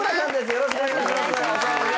よろしくお願いします。